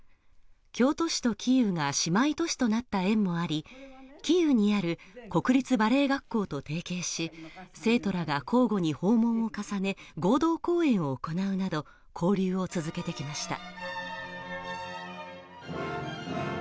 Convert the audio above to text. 京都市とキーウが姉妹都市となった縁もありキーウにある国立バレエ学校と提携し生徒らが交互に訪問を重ね、合同公演を行うなど交流を続けてきました。